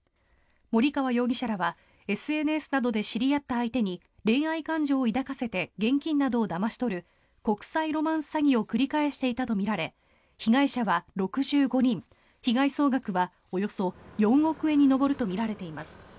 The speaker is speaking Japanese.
森川容疑者らはＳＮＳなどで知り合った相手に恋愛感情を抱かせて現金などをだまし取る国際ロマンス詐欺を繰り返していたとみられ被害者は６５人被害総額はおよそ４億円に上るとみられています。